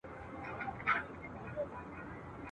تا به ویل زما د خالپوڅو او بابا کلی دی ..